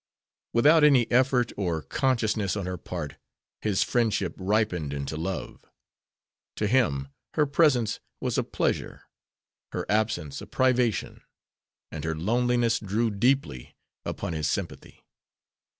Without any effort or consciousness on her part, his friendship ripened into love. To him her presence was a pleasure, her absence a privation; and her loneliness drew deeply upon his sympathy.